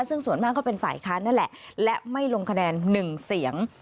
ซึ่งส่วนมากก็เป็นฝ่ายค้านนั่นแหละและไม่ลงคะแนน๑เสียง